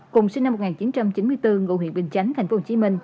cùng sinh năm một nghìn chín trăm chín mươi bốn ngụ huyện bình chánh tp hcm